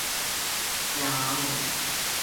也門